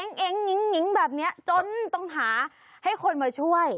อิงงิ้งแบบนี้จนต้องหาให้คนมาช่วย